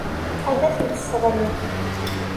Ad tent-tesseɣli.